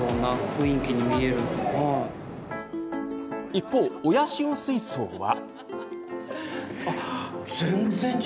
一方、親潮水槽は。